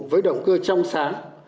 với động cơ trong sáng